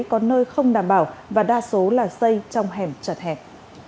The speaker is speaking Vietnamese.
có nơi không đảm bảo và đa số là xây trong hẻm chật hẹp